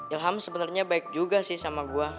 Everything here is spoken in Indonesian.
ilham sebenernya baik juga sih sama gua